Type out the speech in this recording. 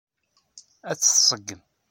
Ad t-tṣeggem.